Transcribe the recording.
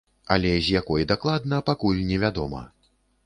Але з якой дакладна, пакуль невядома.